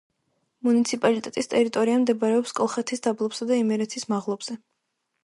მუნიციპალიტეტის ტერიტორია მდებარეობს კოლხეთის დაბლობსა და იმერეთის მაღლობზე.